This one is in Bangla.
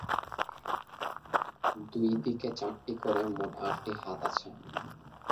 দুই দিকে চারটি করে, মোট আটটি হাত আছে।